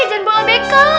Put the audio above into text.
jangan bawa bekel